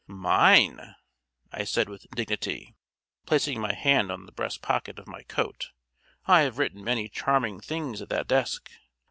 "Mine!" I said with dignity, placing my hand in the breast pocket of my coat. "I have written many charming things at that desk.